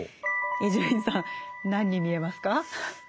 伊集院さん何に見えますか？